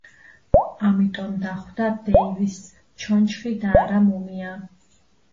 ამიტომ დახვდა დეივისს ჩონჩხი და არა მუმია.